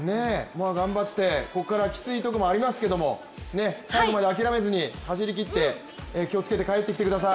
頑張って、ここからきついところもありますけれども最後まで諦めずに走りきって帰ってきてください。